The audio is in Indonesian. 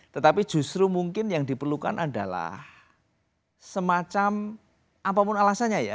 tetapi justru mungkin yang diperlukan adalah semacam apapun alasannya ya